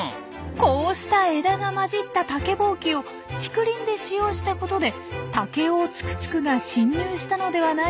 こうした枝が交じった竹ぼうきを竹林で使用したことでタケオオツクツクが侵入したのではないかと考えられているんです。